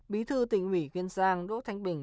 bí thư tỉnh ủy kiên giang đỗ thanh bình